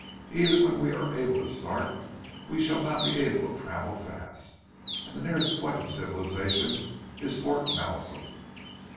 Even when we are able to start we shall not be able to travel fast, and the nearest point of civilization is Fort Malsun."